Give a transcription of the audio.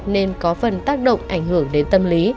nên có phần tác động ảnh hưởng đến tâm lý